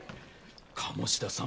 鴨志田さん